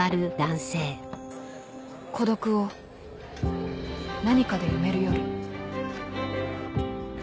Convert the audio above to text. ［孤独を何かで埋める夜］